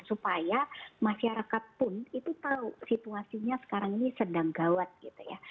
supaya masyarakat pun itu tahu situasinya sekarang ini sedang gawat gitu ya